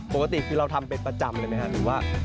ปกติคือเราทำเป็นประจำเลยไหมครับหรือว่า